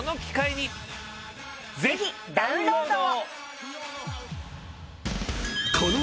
ぜひダウンロードを。